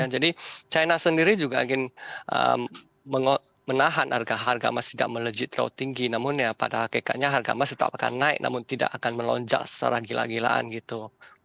jadi china sendiri juga akan menahan harga emas tidak melejit terlalu tinggi namun ya pada hakikatnya harga emas tetap akan naik namun tidak akan melonjak secara gila gilaan gitu